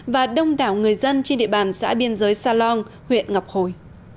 và đông đảo người dân trên địa bàn xã biên giới sa lon huyện ngọc hồi